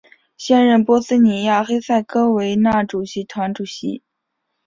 现任波斯尼亚和黑塞哥维那主席团主席。